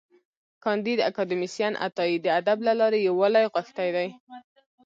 کانديد اکاډميسن عطایي د ادب له لارې یووالی غوښتی دی.